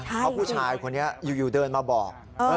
เพราะผู้ชายคนนี้อยู่เดินมาบอก